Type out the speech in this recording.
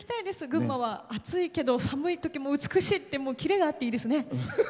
群馬は暑いけど寒いときも美しいってキレがあっていいですね！